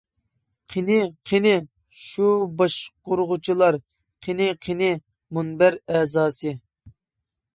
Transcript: قېنى، قېنى شۇ باشقۇرغۇچىلار، قېنى، قېنى مۇنبەر ئەزاسى.